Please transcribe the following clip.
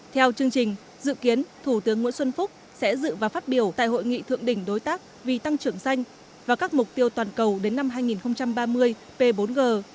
theo chương trình dự kiến thủ tướng nguyễn xuân phúc sẽ dự và phát biểu tại hội nghị thượng đỉnh đối tác vì tăng trưởng xanh và các mục tiêu toàn cầu đến năm hai nghìn ba mươi p bốn g